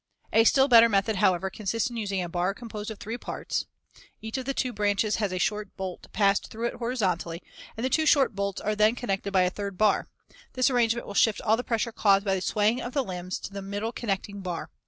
] A still better method, however, consists in using a bar composed of three parts as shown in Fig. 121. Each of the two branches has a short bolt passed through it horizontally, and the two short bolts are then connected by a third bar. This arrangement will shift all the pressure caused by the swaying of the limbs to the middle connecting bar.